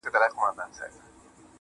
دا رومانتيك احساس دي خوږ دی گراني,